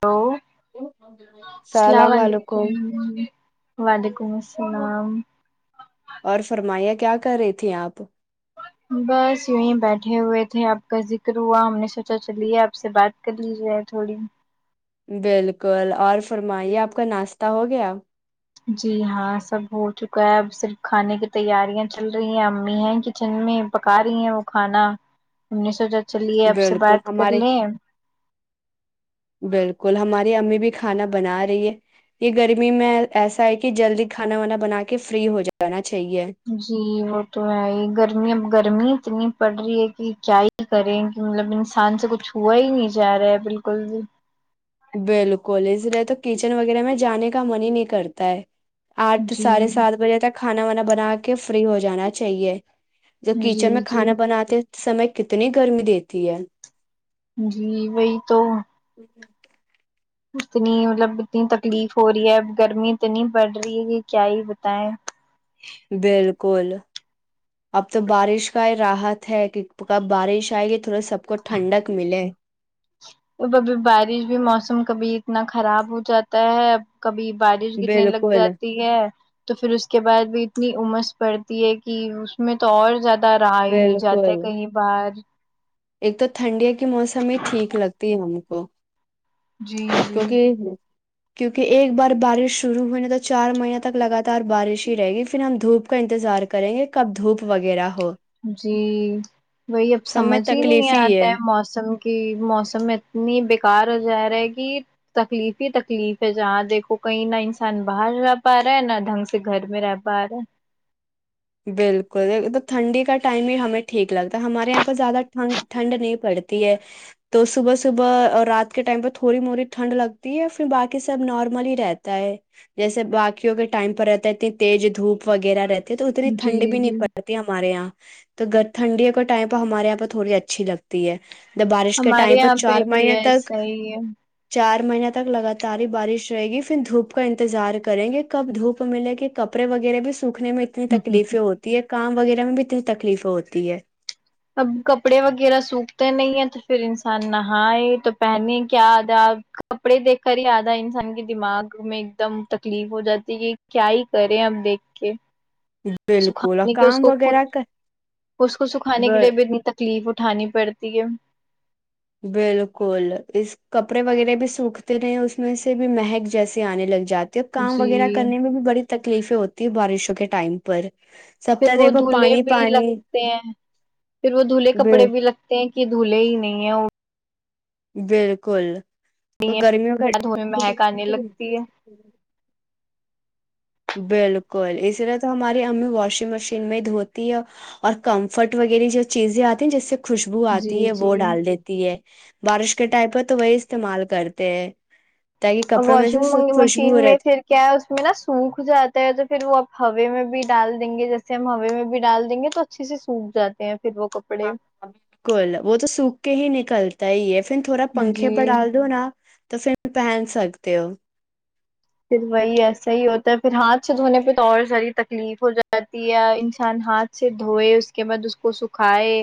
hello السلام علیکم ویکم ولیکم السلام اور فرمایا کیا کر رہی تھھی آپ بس یونیں بیٹھے ہوئے تھے آپ کا ذکر ہوا ہم نے سوچا چلیے آپ سے بات کر لی جائے تھوڑی بالکل اور فرمائیے آپ کا ناشتہ ہو گیا جی ہاں سب ہو چکا ہے اب صرف کھانے کی تیاریاں چل رہی ہیں امی ہیں کچن میں پکا رہی ہیں وہ کھانا ای سو بالکل ہمارے بالکل ہمارے امی بھی کھانا بنا رہی ہے یہ گرمی میں ایسا ہے کہ جلدی کھانا وانا بنا کے فری ہو جاتا جی وہ تو ہے ہی گرمی اب گرمی اتنی پڑھ رہی ہے کہ کیا ہی کریں کہ مطلب انسان سے کچھ ہوا ہی نہیں جا رہا ہے بالکل بھی بالکل اس لیے تو کچن وغیرہ میں جانے کا من ہی نہیں کرتا ہے آٹھ جی ساھے سات بجے تک کھانا وانا بنا کے فری ہو جانا چاہیے جوب جی کچن میں جی کھانا بناتے سمے کتنی گرمی دیتی ہے جی وہی تو ہوں اتنی مطلب اتنی تکلیف ہو رہی ہے اب گرمی اتنی بڑ رہی ہے کہ کیا ہی بتائیں کل اب تو بارش کا ہی راحت ہے اب بارش آئے گی تھوڑا سب کو ٹھنڈک ملے تو ابھی بارش بھی موسم کبھی اتنا خراب ہو جاتا ہے اب کبھی بارش گرنے لگ بالکل جاتی ہے تو پھر اس کے بعد بھی اتنی امس پڑتی ہے کہ اس میں تو اور زیادہ راہ ہی نہیں جاتا بالکل کہیں بار ایک تو ٹھنڈیا کے موسم ہی ٹھیک لگتی ہے ہم کو جی جی کیونکہ کیونکہ ایک بار بارش شروع ہوئی نا تو چار مہیین تک لگاتار بارش ہی رہے گی پھر ہم دھوپ کا انتظار کریں گے کب دھوپ وغیرہ ہو جی وہی اب سب میں سمجھ ہی نہیں تکلیف آتا ہے موسم کی موسم اتنی بیکار ہو جائے رہ گ تکلیف ہی تکلیف ہے جہاں دیکھو کہیں نہ انسان باہر رہ پا رہا ہے نہ ڈھنگ سے گھر میں رہ پا رہا بالکل تو ٹھنڈی کا ٹائم ہی ہمیں ٹھیک لگتا ہے ہمارے یہاں پہ زیادہ ٹھنڈ نہیں پڑتی ہے تو صبح صبح اور رات کے ٹائم پ تھوڑی موی ٹھنڈ لگتی ہے پھر باقی سب نارملی ہی رہتا ہے جیسے باقیوں کے ٹائم پر رہتا ہے اتنی تیز دھوپ وغیرہ رہتی ہے ٹھنڈ جی بھی نہیں جی پڑتی ہمارے یہاں تو گ ٹھنڈی کا ٹائم پ ہمارے یہاں پہ تھوڑی اچھی لگتی ہے بارش کے ہمارے ٹائم پہ یہاں چار بھی مہینے ہے تک صحیح ہے چار مہینہ تک لگاتار ہی بارش رہے گی پھر دھوپ کا انتظار کریں گے کب دھوپ ملے گ کپڑے وغیرہ بھی سوکھنے میں اتنی تکلیفیں ہوتی ہے کام وغیرہ میں بھی اتنی تکلیف ہوتی ہے اب کپڑے وغیرہ سوکھتے نہیں ہیں تو پھر انسان نہائے تو پہنے کیا آدھاپ کپڑے دیکھ کر ہی آدھا انسان کے دماغ میں ایک دم تکلیف ہو جاتی کہ کیا ہی کریں اب دیکھ کے بالکل اور سکھانے کے کام وغیرہ کر منے گ لیے بھی ن تک تکلیف اٹھانی پڑتی ہے بالکل اس کپڑے وغیرہ بھی سوکھتے نہیں اس میں سے بھی مہک جیسے آنے لگ جاتے کام جی وغیرہ کرنے میں بھی بڑی تکلیفیں ہوتی ت بارشوں کے ٹائم پر سب پھر تو وہ دیکھو دھلہے پانی بھی پانی لگتے ہیں پھر وہ دھلہے کپڑے بل بھی لگتے ہیں یہ دھلے ہی نہیں ہے وہ بالکل تو نہیں گرمیوں گ ہے دھونے میں مہک آنے لگتی ہے بالکل اس طرح تو ہماری امی واشنگ مشین میں دھوتی ہے اور کمفرٹ وغیرہ جو چیزیں آتی ہیں جیس سے خوشبو آتی جی ہے وہ جی ڈال دیتی ہے بارش کے ٹائپ پہ تو وہی استعمال کرتے ہیں تاکہ ا کپڑوں میں سے واشنگ خوشبو مشین رہتی میں پھر کیا ہے اس میں نا سوکھ سکھ جاتا ہے تو پھر وہ آپ ہوے میں بھی ڈال دیں گے جیسے ہم ہوے میں بھی ڈال دیں گے تو اچھے سے سوکھ جاتے ہیں پھر وہ کپڑے ہاں ہاں بالکل وہ تو سوکھ کے ہی ن کرلتا ہی ہے پھر تھوڑا پنکھے جی پ ڈال دو نا تو پھر پہن سکتے ہو پھر وہی ایسا ہی ہوتا ہے پھر ہاتھ سے دھونے پہ تو اور ساری تکلیف ہو جاتی ہے انسان ہاتھ سے دھوئے اس کے بعد اس کو سکھائے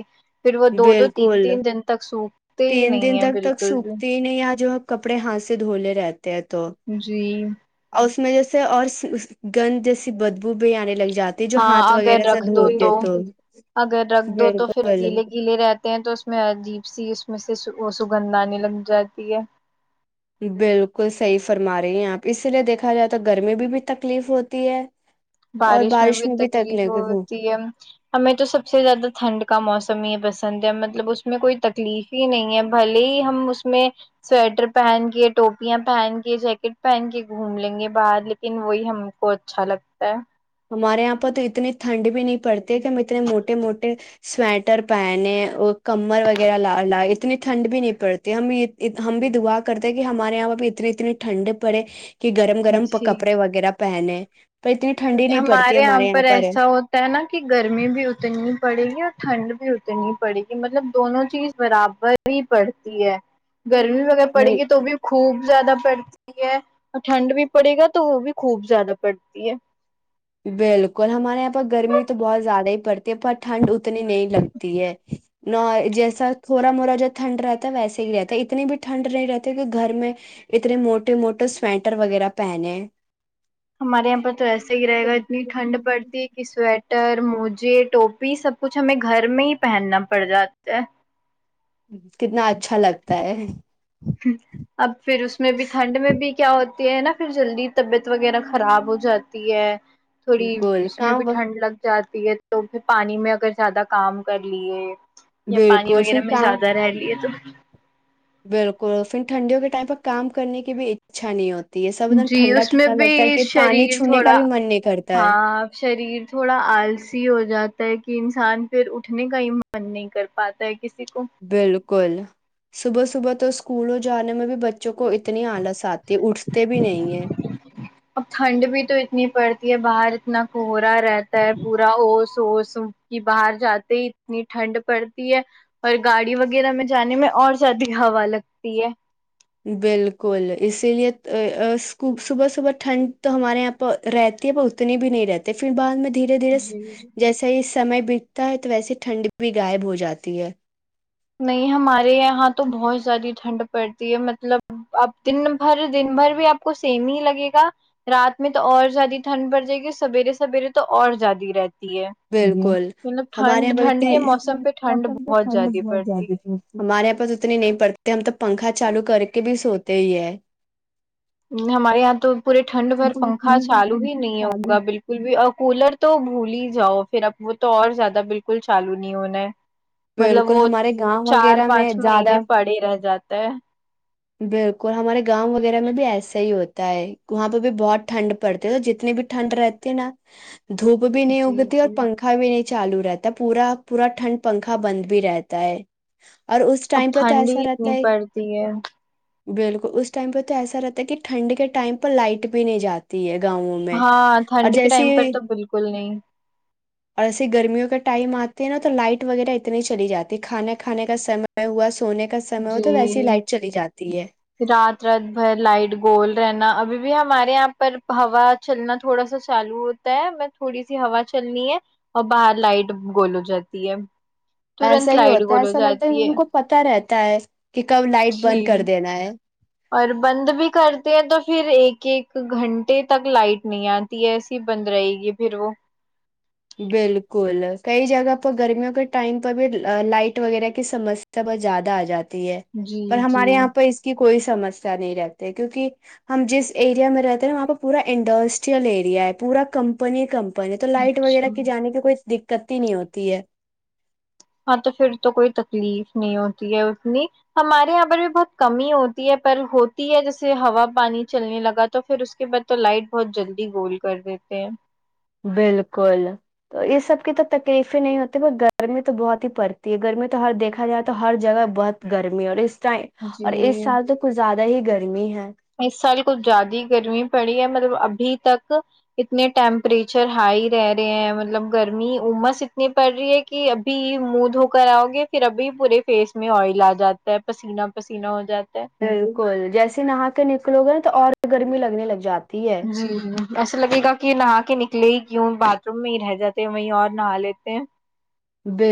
پھر وہ دو دو تین بالکل تین دن تک سوکھتے ہی تین نہیں دن ہیں تک تک بالکل بھی سوکھتی ہی نہیں آ جو کپڑے ہاتھ سے دھوولے رہتے تو جی ا میں جیسے اور گند جیسی بدبو بھی آنے لگی جات ہاں اگر رکھ دو تو اگر رکھ دو تو پھر بالکل گیلے گیلے رہتے تو اس میں عجیب سی اس میں سے سگنداانی لگ جاتی ہے بالکل صحیح فرما رہی ہیں آپ اسی لیے دیکھا جائے تو گرمی بھی بھی تکلیف ہوتی ہے بارش میں بھی تکلیف ہوتی ہے ہمیں تو سب سے زیادہ ٹھنڈ کا موسم ہی ہے بس پسند ہے مطلب اس میں کوئی تکلیف ہی نہیں ہے بھلے ہی ہم اس میں سویٹر پہن کے ٹوپیاں پہن کے جیکٹ پہن کے گھوم لیں گے باہر لیکن وہی ہم کو اچھا لگ ا ہمارے یہاں پرہ تو اتنی ٹھنڈ بھی نہیں پڑتی ہے کہ ہم اتنے موٹے موٹے سویٹر پہنے اور کمر وغیرہ ل لائے اتنی ٹھنڈ بھی نہیں پڑتی ہم ہم بھی دعا کرتے کہ ہمارے یہاں پہ بھی اتنی اتنی ٹھنڈ پڑے کہ گرم ہے گرم جی کپڑے وغیرہ پہنے ب تو ہمارے یہاں پر ایسا ہوتا ہے نا کہ گرمی بھی اترنی پڑے گی اور ٹھنڈ بھی اتنی پڑے گی مطلب دونوں چیز برابر ہی پڑتی ہے گرمی وغیرہ پڑے نہیں گی تو بھی خوب زیادہ پڑتی ہے اور ٹھنڈ بھی پڑے گا تو وہ بھی خوب زیادہ پڑتی ہے بالکل ہمارے یہاں پر گرمی تو بہت زیادہ ہی پڑتی ہے پر ٹھنڈ اتنی نہیں لگتی ہے ن جیسا تھوڑا موٹا جب ٹھنڈ رہتا ہے ویسے ہی رہتا ہے اتنی بھی ٹھنڈ نہیں رہتی کہ گھر میں اتنے موٹے موٹے سویٹر وغیرہ پہنے ہمارے یہاں پر تو ایسے ہی رہے گا اتنی ٹھنڈ پڑتی ہے کہ سویٹر ٹر موجے ٹوپی سب کچھ ہمیں گھر میں ہی پہننا پڑ جاتا ہے کتنا اچھا لگتا ہے اب پھر اس میں بھی ٹھنڈ میں بھی کیا ہوتی ہے نا پھر جلدی طبیعت وغیرہ خراب ہو جاتی ہے تھوڑی بالکل اس میں بھی کام وقت ٹھنڈ لگ جاتی تو پھر پانی میں اگر زیادہ کام کر لیے یا پانی بالکل وغیرہ پھر میں کام زیادہ رہ لیے تو بالکل پھر ٹھنڈیوں کے ٹائم پہ کام کرنے کی بھی اچھا نہیں ہوتی ہے سب ایک دم جی ٹھنڈا اس میں ٹھنڈا لگتا ہے بھی کہ پانی شریر چھونے کا تھوڑا بھی من نہیں کرتا ہے ہاں شریر تھوڑا آلسی ہو جاتا ہے کہ کہ انسان پھر اٹھنے کا ہی من نہیں کر پاتا ہے کسی کو بالکل صبح صبح تو اسکولوں جانے میں بھی بچے بچوں کو اتنی آلس آتی اٹھتے بھی نہیں ہے اب ٹھنڈ بھی تو اتنی پڑتی باہر اتنا کوہرا رہتا ہے پورا اس اس کی باہر جاتے ہی اتنی ٹھنڈ پڑتی ہے اور گاڑی وغیرہ میں جانے میں اور زیادہ ہوا لگتی ہے بالکل اسی لیے صبح صبح ٹھنڈ تو ہمارے یہاں پ رہتی ہے پر اتنی بھی نہیں رہتی پھر بعد میں دھیرے دھیرے جی جی جیسا ہی سمے بیتتا ہے تو ویسے ٹھنڈی بھی غائب ہو جاتی ہے نہیں ہمارے یہاں تو بہت زیادہ ٹھنڈ پڑتی ہے مطلب اپ دن بھر دن بھر بھی آپ کو سیم ہی لگے گا رات میں تو اور زیادہ ٹھنڈ پڑ جائے گی سویرے سویرے تو اور زیادی رہتی ہے بالکل مطلب ہمارے یہاں ٹھنڈ ٹھنڈ کے ب موسم پہ ٹھنڈ موسم تو بہت ٹھنڈ زیادہ پڑتی ہمارے یہاں پس اتنی نہیں پڑتی ہم تو پنکھا چالو کر کے بھی سوتے ہی ہے ہمارے یہاں تو پورے ٹھنڈ بھر بالکل پنکھا اتنی چالو ٹھنڈ بھی نہیں چالو ہوگا بالکل بھی اور کولر تو بھول ہی جاؤ پھر اب وہ تو اور زیادہ بالکل چالو نہیں ہونا ہے مطلب بالکل وہ ہمارے گاؤں چار وغیرہ میں پانچ مہینے زیادہ پڑے رہ جاتے تا بالکل ہمارے گاؤں وغیرہ میں بھی ایسا ہی ہوتا ہے وہاں پہ بھی بہت ٹھنڈ پڑتی ہے تو جتنی بھی ٹھنڈ رہتی ہے نا دھوپ بھی نہیں جی اگتی اور جی پنکھا بھی نہیں چالو رہتا پورا پورا ٹھنڈ پنکھا بند بھی رہتا ہے اور اس اب ٹائم پہ تو ٹھنڈ ہی ایسا رہتا اتنی ہے پڑتی ہے بالکل اس ٹائم پہ تو ایسا رہتا ہے کہ ٹھنڈ کے ٹائم پہ لائٹ بھی نہیں جاتی ہے گاؤوں میں ہاں اور ٹھنڈ کے جیسے ٹائم پر تو بالکل نہیں ایسے گرمیوں کا ٹائم آتا ت نا تو لائٹ وغیرہ اتنی چلی جاتیھانے کھانے کا سم ہوا سونے کا سم ہو تو ویسی ہی جی لائٹ چلی جاتی ہے رات رات بھر لائٹ گول رہنا ابھی بھی ہمارے یہاں پر ہوا چلنا تھوڑا سا چالو ہوتا ہے میں تھوڑی سی ہوا چلنی ہے اور باہر لائٹ گول ہو جاتی ہے ایسا ترنت ہی لائٹ ہوتا ہے گول ہو ایسا لگتا ہے جاتی ان کو پتا رہتا ہے کہ کب لائٹ جی بند کر دینا ہے اور بند بھی کرتے ہیں تو پھر پھر ایک ایک گھنٹے تک لائٹ نہیں آتی ایسی بند رہے گی پھر وہ بالکل کئی جگہ پر گرمیوں کے ٹائم پر بھی لائٹ وغیرہ کی سمسیا بہت زیادہ آ جاتی ہے جی پر جی ہمارے یہاں پ اس کی کوئی سمسیا نہیں رتے کیونکہ ہم جس ایریا میں رہتے ن وہاں پہ پورا انڈسٹریل ایریا ہے پورا کمپنی کم پ تو لائٹ وغیرہ اچھا کے جانے کا کوئی دقتتی نہیں ہوتی ہے ہاں تو پھر تو کوئی تکلیف نہیں ہوتی ہے اتنی ہمارے یہاں پر بھی بہت کمی ہوتی ہے پر ہوتی ہے جیسے ہوا پانی چلنے لگا تو پھر اس کے بعد تو لائٹ بہت جلدی گول کر دیتے ہیں بالکل تو یہ سب کی تو تکلیفیں نہیں ہوتی ب گرمی تو بہت ہی پڑتی ہے گرمی تو ہر دیکھا جائے تو ہر جگہ بہت گرمی ہے اور اس اور اس جی سال تو ک زیاد ہی گرمی ہے اس سال کچھ زیاد ہی گرمی پڑی ہے مطلب ابھی تک اتنے ٹیمپریچر ہائی رہ رہے ہیں مطلب گرمی امس اتنی پڑ رہی ہے کہ ابھی موودھ ہو کر آؤ گے پھر ابھی پورے فیس میں آئل آ جاتا ہے پسینہ پسینہ ہو جاتا ہے بالکل جیسے نہا نکلو گے نا تو اور گرمی لگنے لگ جاتی ہے جی ایسا لگے گا کہ نہا کے نکلے کیوں باتھ روم میں ہی رہ جاتے ہیں وہیں اور نہا لیتے ہیں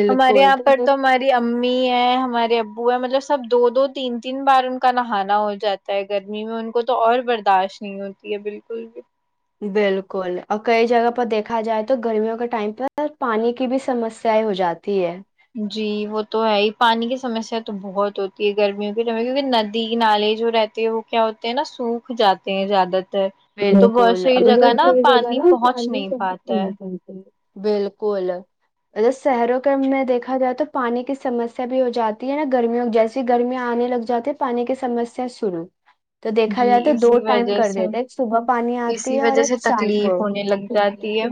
ہمارے یہاں پر تو ہماری ا امی ہے ہمارے ابو ہے مطلب سب دو دو تین تین بار ان کا نہانا ہو جاتا ہے گرمی میں ان کو تو اور برداشت نہیں ہوتی ہے بالکل بھی بالکل اور کئی جگہ پر دیکھا جائے تو گرمیوں کے ٹائم پہ پانی کی بھی سمسیایں ہو جاتی ہے جی وہ تو ہے ہی پانی کی سمسیا تو بہت ہوتی ہے گرمیوں کے کیونکہ ندی نالے جو رہتے ہیں وہ کیا ہوتے ہیں نا سوکھ جاتے ہیں زیادہ تر تو بہت بکل سی نا جگہ پانی نا پہنچ نہیں سب پاتا ہے بالکل شہروں کے میں دیکھا جائے تو پانی کی سمسیا بھی ہو جاتی ہے نا گرمیوں جیسی گرمیاں آنے لگ جاتی ہیں پانی کی سمسیا شروع تو دیکھا جی جائے تو دو اسی ٹائم وجہ کر سے دیتے صبح پانی آتی اسی ہے اور وجہ سے ایک شاند کو تکلیف ہونے لگ جاتی ہے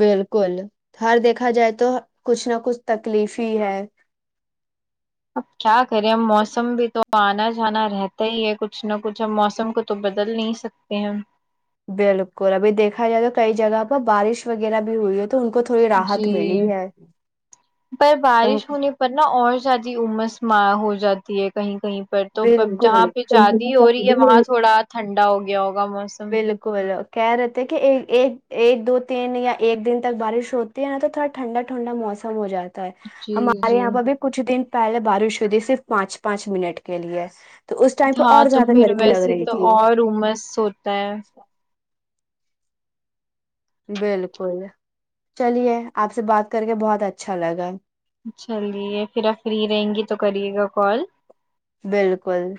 بالکل ہر دیکھا جائے تو کچھ نہ کچھ تکلیفی ہے اب کیا کرے موسم بھی تو تو آنا جانا رہتا ہی ہے کچھ نہ کچھ ہم موسم کو تو بدل نہیں سکتے ہیں بالکل ابھی دیکھا جائے تو کئی جگہ پر بارش وغیرہ بھی ہوئی ہو جی پر تو بارش ہونے پر نا اور شادی عمس ما ہو جاتی ہے کہیں کہیں پر توب جہاں بالکل پہ جادی ہو رہی ہے وہاں تھوڑا ٹھنڈا ہو گیا موسم بالکل کہہ رہے تھے کہ ایک ایک دو تین یا ایک دن تک بارش ہوتی ہے نہ تو تھوڑا ٹھنڈا ٹھنڈا موسم ہو جاتا جی ہمارے جی یہاں پہ بھی کچھ دن پہلے بارش ہوتی تھی صرف پانچ پانچ منٹ کے لیے تو اس ٹائم پہ ہاں اور تو زیادہ پھر گرمی لگ ویسے رہی تو تھی اور عمرس ہوتا ہے ہے بالکل چلیے آپ سے بات کر کے بہت اچھا لگا چلیے پھر آپ فری رہیں گی تو کریے گا کال بالکل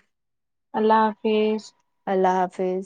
اللہ حافظ اللہ حافظ